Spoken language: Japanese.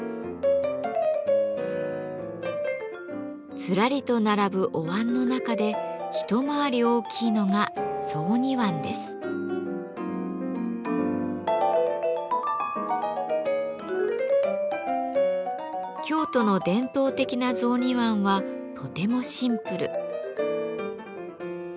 ずらりと並ぶお椀の中で一回り大きいのが京都の伝統的な雑煮椀はとてもシンプル。